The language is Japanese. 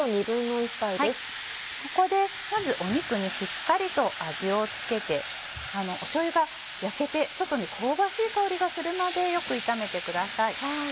ここでまず肉にしっかりと味を付けてしょうゆが焼けて香ばしい香りがするまでよく炒めてください。